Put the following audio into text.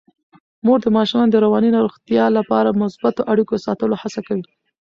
مور د ماشومانو د رواني روغتیا لپاره د مثبتو اړیکو ساتلو هڅه کوي.